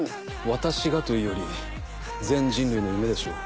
私がというより全人類の夢でしょう。